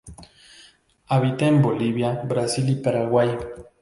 Habita en Bolivia, Brasil y Paraguay.